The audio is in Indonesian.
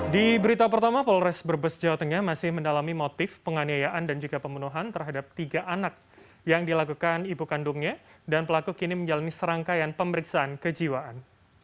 di berita pertama polres brebes jawa tengah masih mendalami motif penganiayaan dan juga pembunuhan terhadap tiga anak yang dilakukan ibu kandungnya dan pelaku kini menjalani serangkaian pemeriksaan kejiwaan